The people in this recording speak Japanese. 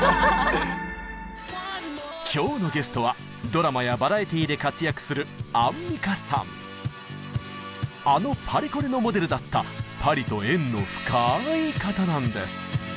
今日のゲストはドラマやバラエティーで活躍するあのパリコレのモデルだったパリと縁の深い方なんです。